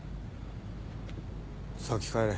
先帰れ。